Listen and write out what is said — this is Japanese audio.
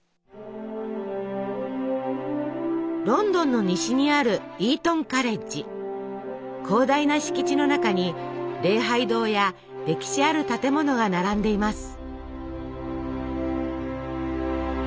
ロンドンの西にある広大な敷地の中に礼拝堂や歴史ある建物が並んでいます。